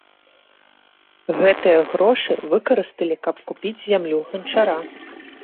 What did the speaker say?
Гэтыя грошы выкарысталі, каб купіць зямлю ганчара.